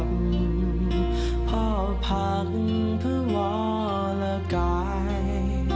มอดดำพ่อพักเพื่อวอลกาย